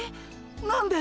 何で？